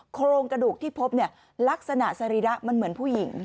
โครงกระดูกที่พบเนี่ยลักษณะสรีระมันเหมือนผู้หญิง